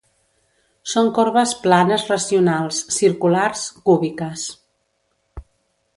Són corbes planes racionals, circulars, cúbiques.